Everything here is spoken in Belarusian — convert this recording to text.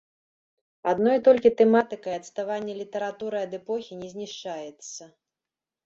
Адной толькі тэматыкай адставанне літаратуры ад эпохі не знішчаецца.